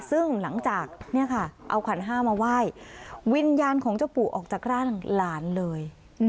ซึ่งหลังจากเนี่ยค่ะเอาขันห้ามาไหว้วิญญาณของเจ้าปู่ออกจากร่างหลานเลย